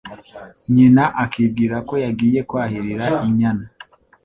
Nyina akibwira ko yagiye kwahirira inyana